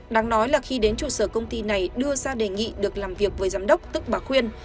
đáng nói là khi đến trụ sở công ty này đưa ra đề nghị được làm việc với giám đốc tức bà khuyên